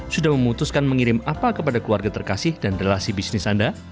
sudah memutuskan mengirim apa kepada keluarga terkasih dan relasi bisnis anda